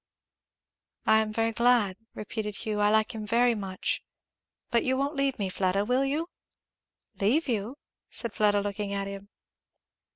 "I am very glad," repeated Hugh, "I like him very much. But you won't leave me, Fleda, will you?" "Leave you?" said Fleda looking at him.